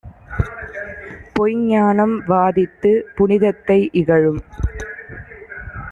பொய்ஞ்ஞானம் வாதித்துப் புனிதத்தை இகழும்